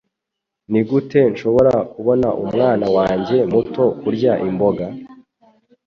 Nigute nshobora kubona umwana wanjye muto kurya imboga?